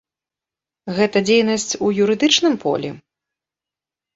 Гэта дзейнасць у юрыдычным полі?